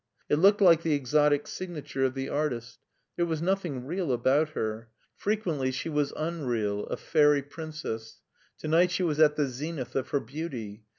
It looked like the exotic signa ture of the artist. There was nothing real about her. Frequently she was unreal : a fairy princess. To night she was at the zenith of her beauty.